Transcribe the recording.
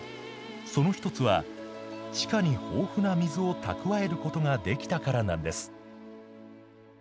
その一つは地下に豊富な水をたくわえることができたからなんです。